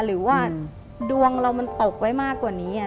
หรือว่าดวงเรามันตกไว้มากกว่านี้